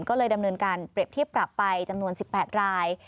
ก็เลยดำเนินการเปรียบเทียบปรับไปจำนวน๑๘ราย